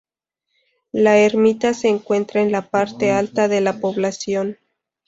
La ermita se encuentra en la parte alta de la población.